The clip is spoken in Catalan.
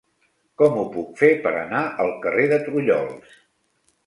Com ho puc fer per anar al carrer de Trullols?